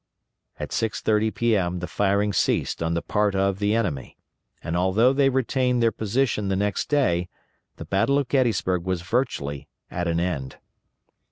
At 6.30 P.M. the firing ceased on the part of the enemy, and although they retained their position the next day, the battle of Gettysburg was virtually at an end.